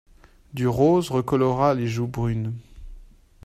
Du rose recolora les joues brunes.